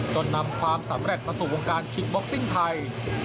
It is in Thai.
จนนำความสำเร็จมาสู่วงการคิกบ็อกซิ่งไทย